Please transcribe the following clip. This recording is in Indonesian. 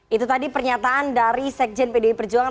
itu tadi pernyataan dari sekjen pdi perjuangan